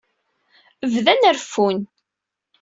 Bdan reffun.